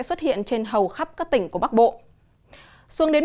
xin chào các bạn